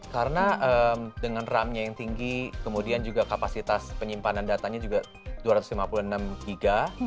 karena dengan ram nya yang tinggi kemudian juga kapasitas penyimpanan datanya juga dua ratus lima puluh enam gb